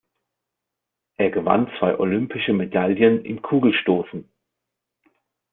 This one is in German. Er gewann zwei olympische Medaillen im Kugelstoßen.